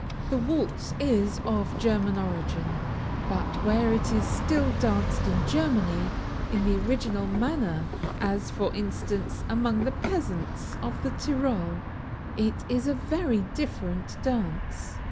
The waltz is of German origin, but where it is still danced in Germany in the original manner, (as, for instance, among the peasants of the Tyrol,) it is a very different dance.